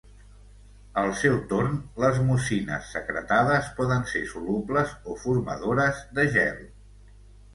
Al seu torn, les mucines secretades poden ser solubles o formadores de gel.